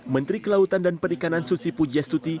menteri kelautan dan perikanan susi pujastuti